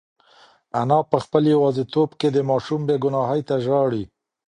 انا په خپل یوازیتوب کې د ماشوم بې گناهۍ ته ژاړي.